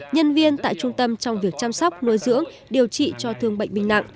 nhân viên tại trung tâm trong việc chăm sóc nuôi dưỡng điều trị cho thương bệnh binh nặng